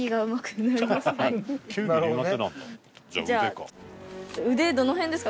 じゃあ腕か。